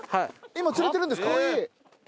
今釣れてるんですか？